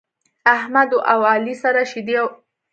احمد او علي سره شيدې او غوړي دی.